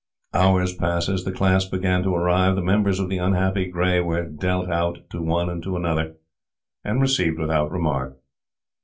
Hours passed; the class began to arrive; the members of the unhappy Gray were dealt out to one and to another, and received without remark.